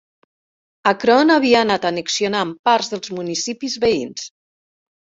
Akron havia anat annexionant parts dels municipis veïns.